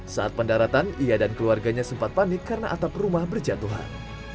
saat pendaratan ia dan keluarganya sempat panik karena atap rumah berjatuhan